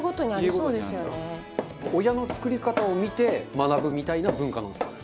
親の作り方を見て学ぶみたいな文化なんですかね？